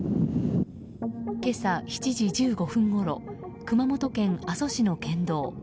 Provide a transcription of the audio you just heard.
今朝７時１５分ごろ熊本県阿蘇市の県道。